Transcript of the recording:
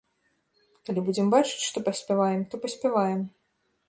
Калі будзем бачыць, што паспяваем, то паспяваем.